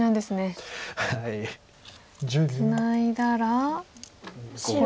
ツナいだらここで。